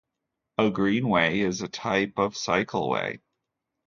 A greenway is a type of cycleway.